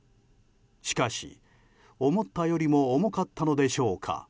しかし思ったよりも重かったのでしょうか。